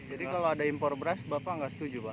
jadi kalau ada impor beras bapak nggak setuju pak